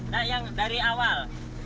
nah yang dari awal